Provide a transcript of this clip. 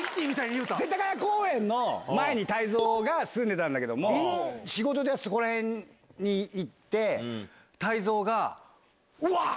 世田谷公園の前に泰造が住んでたんだけども仕事でそこら辺に行って泰造が。